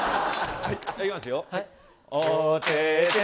いきますよ。